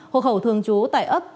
hộ khẩu thương chú tại ấp